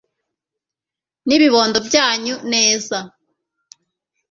n'ibibondo byanyu neza